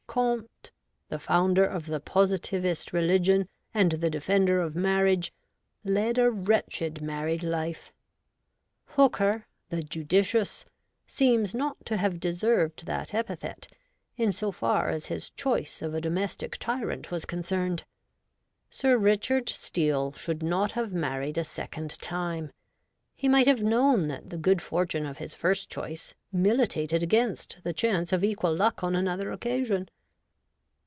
Comte, the founder of the Positivist religion, and the defender of marriage, led a wretched married life. Hooker, the 'judicious,' seems not to have deserved that epithet in so far as his choice of a domestic tyrant was concerned. Sir Richard Steele should not have married a second time ; he might have known that the good fortune of his first choice militated against the chance of equal luck on another occasion.